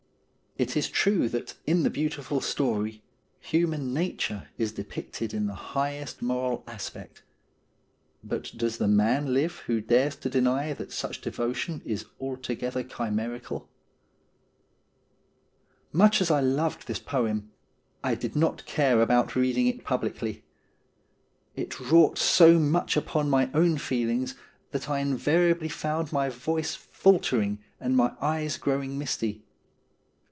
It is true that in the beautiful story human nature is depicted in the highest moral aspect ; but does the man live who dares to deny that such devotion is altogether chimerical ? Much as I loved this poem, I did not care about reading it publicly. It wrought so much upon my own feelings that I invariably found my voice faltering and my eyes growing misty.